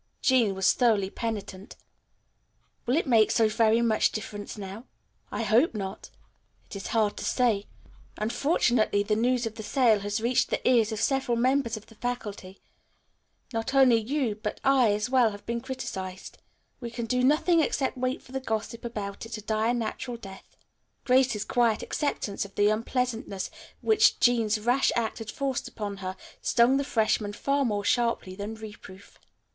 Jean was thoroughly penitent. "Will it make so very much difference now?" "I hope not. It is hard to say. Unfortunately the news of the sale has reached the ears of several members of the faculty. Not only you, but I, as well, have been criticized. We can do nothing except wait for the gossip about it to die a natural death." Grace's quiet acceptance of the unpleasantness which Jean's rash act had forced upon her stung the freshman far more sharply than reproof.